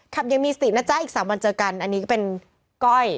ยังมีสตินะจ๊ะอีก๓วันเจอกันอันนี้ก็เป็นก้อย